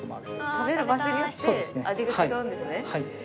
食べる場所によって味が違うんですね。